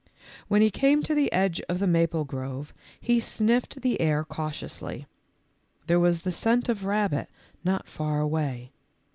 When he came to the edge of the maple grove he sniffed the air cautiously. There was the scent of rabbit not far away.